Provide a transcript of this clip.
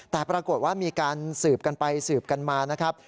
แต่ปรากฏว่ามีการสืบกันไปสืบกันมานะครับ